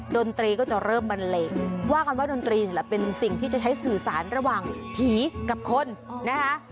ดนตรีก็จะเริ่มบันเลงว่ากันว่าดนตรีนี่แหละเป็นสิ่งที่จะใช้สื่อสารระหว่างผีกับคนนะคะ